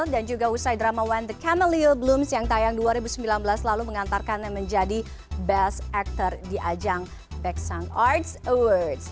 dan juga usai drama when the cameleia blooms yang tayang dua ribu sembilan belas lalu mengantarkan menjadi best actor di ajang beksang arts awards